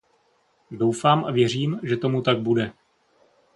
Doufám a věřím, že tomu tak bude.